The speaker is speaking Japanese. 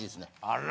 あら。